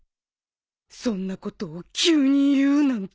そんなことを急に言うなんて。